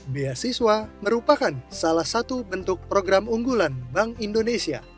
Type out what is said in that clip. beasiswa merupakan salah satu bentuk program unggulan bank indonesia